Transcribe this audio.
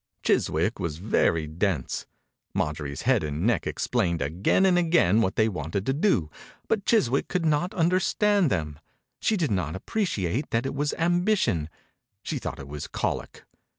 Chiswick was very dense. Marjorie's head and neck ex plained again and again what they wanted to do, but Chiswick could not understand them. She did not appreciate that it was ambition — she thought it was colic.